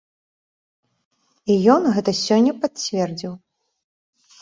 І ён гэта сёння пацвердзіў.